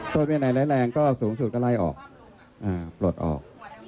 โทษเวียนไหนแรงก็สูงสุดก็ไล่ออกปลดออก